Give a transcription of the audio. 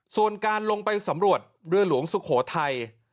ส่วนการลงไปสำรวจเรือหลวงสุโขทัย